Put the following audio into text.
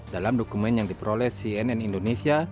dalam dokumen yang diperoleh cnn indonesia